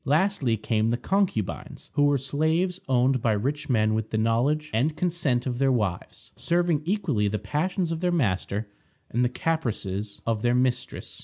Lastly came the Concubines, who were slaves owned by rich men with the knowledge and consent of their wives, serving equally the passions of their master and the caprices of their mistress.